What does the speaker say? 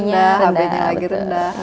hb nya lagi rendah